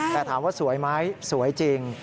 แต่ถามว่าสวยไหมสวยจริง